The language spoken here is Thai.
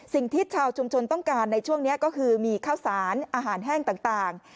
สิ่งที่ชาวชุมชนต้องการในช่วงนี้ก็คือมีข้าวสารอาหารแห้งต่าง